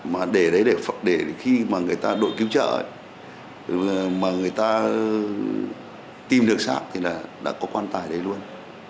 mà để đấy để khi mà người ta đội cứu trợ mà người ta tìm được sạc thì là đã có quan tài đấy luôn